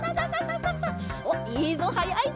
おっいいぞはやいぞ！